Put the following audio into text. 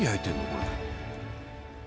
これ。